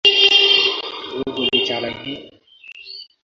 ও গুলি চালায়নি?